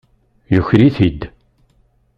Yuker-it-id.